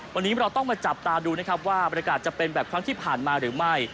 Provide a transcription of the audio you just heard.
วันนี้เราต้องมาจับตาดูนะครับว่าบรรยากาศจะเป็นแบบครั้งที่ผ่านมาหรือไม่